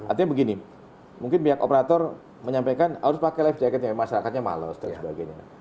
artinya begini mungkin biar operator menyampaikan harus pakai life jacketnya masyarakatnya malas dan sebagainya